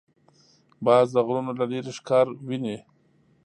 باز د غرونو له لیرې ښکار ویني